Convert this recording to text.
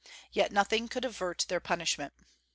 Yet nothing could avert their punishment.